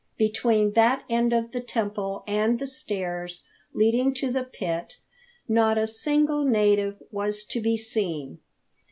Between that end of the temple and the stairs leading to the pit, not a single native was to be seen.